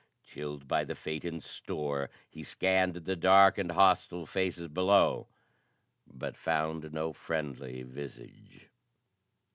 Chilled by the fate in store, he scanned the dark and hostile faces below, but found no friendly visage.